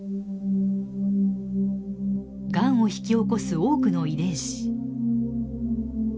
がんを引き起こす多くの遺伝子。